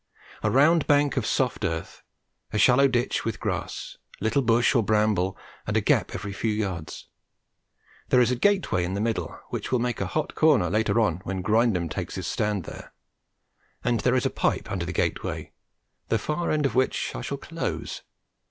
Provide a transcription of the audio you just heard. A round bank of soft earth, a shallow ditch with grass, little bush or bramble, and a gap every few yards. There is a gateway in the middle, which will make a hot corner later on when Grindum has taken his stand there; and there is a pipe under the gateway, the far end of which I shall close.